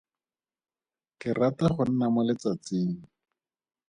Ke rata go nna mo letsatsing.